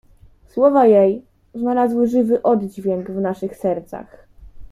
"Słowa jej znalazły żywy oddźwięk w naszych sercach."